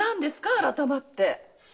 改まって。